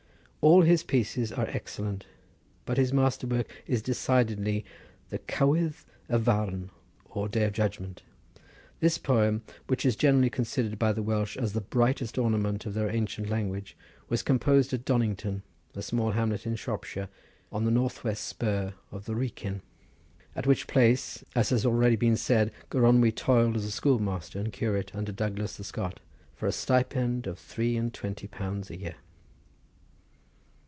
All his pieces are excellent, but his masterwork is decidedly the "Cywydd y Farn" or "Day of Judgment." This poem which is generally considered by the Welsh as the brightest ornament of their ancient language, was composed at Donnington, a small hamlet in Shropshire on the north west spur of the Wrekin, at which place, as has been already said, Gronwy toiled as schoolmaster and curate under Douglas the Scot, for a stipend of three and twenty pounds a year.